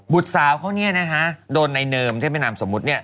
บุตรสาวเขาโดนในเนิมที่ไม่นำสมมติ